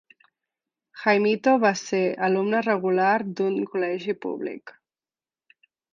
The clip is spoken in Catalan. Jaimito va ser alumne regular d'un col·legi públic.